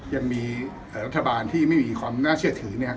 ยังมีรัฐบาลที่ไม่มีความน่าเชื่อถือ